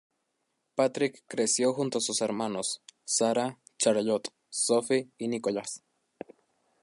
Patrick creció junto a sus hermanos, Sara, Charlotte, Sophie y Nicholas.